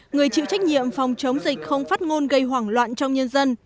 người chịu trách nhiệm phòng chống dịch không phát ngôn gây hoảng loạn trong nhân dân